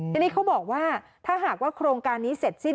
ทีนี้เขาบอกว่าถ้าหากว่าโครงการนี้เสร็จสิ้น